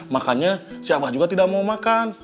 makanya si abah juga tidak mau makan